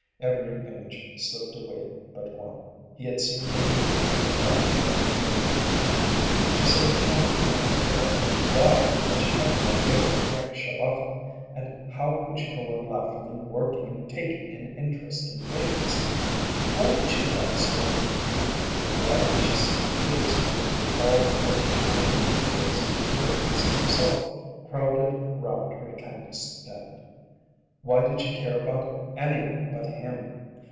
Every image slipped away but one. He had seen Marie in the crowd that afternoon. She sold candy at the fair. Why had she ever run away with Frank Shabata, and how could she go on laughing and working and taking an interest in things? Why did she like so many people, and why had she seemed pleased when all the French and Bohemian boys, and the priest himself, crowded round her candy stand? Why did she care about any one but him?